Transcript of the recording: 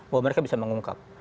bahwa mereka bisa mengungkap